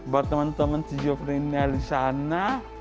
buat teman teman skizoprenia di sana